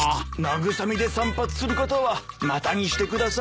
慰みで散髪する方はまたにしてください。